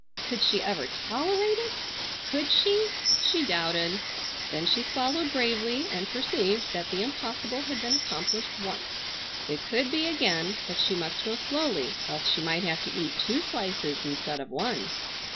Could she ever tolerate it? Could she? She doubted. Then she swallowed bravely and perceived that the impossible had been accomplished once. It could be again, but she must go slowly else she might have to eat two slices instead of one.